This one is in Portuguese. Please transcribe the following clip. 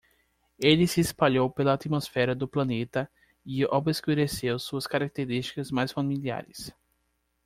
Ele se espalhou pela atmosfera do planeta e obscureceu suas características mais familiares.